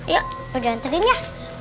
yaudah aku antarin ya